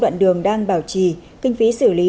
đoạn đường đang bảo trì kinh phí xử lý